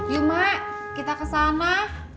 yuk mak kita kesana